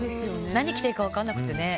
何着ていいか分かんなくてね。